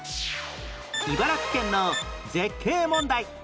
茨城県の絶景問題